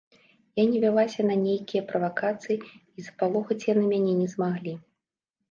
Я не вялася на нейкія правакацыі, і запалохаць яны мяне не змаглі.